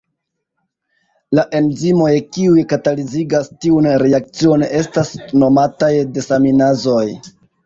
La enzimoj kiuj katalizigas tiun reakcion estas nomataj desaminazoj.